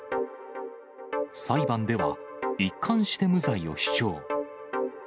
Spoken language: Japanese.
裁判では、一貫して無罪を主張。